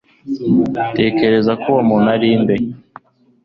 utekereza ko uwo muntu ari nde